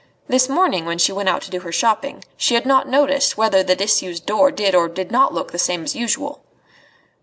This morning, when she went out to do her shopping, she had not noticed whether the disused door did or did not look the same as usual.